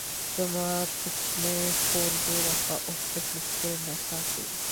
زما کوچنۍ خور ډېره ښه او په زړه پورې نڅا کوي.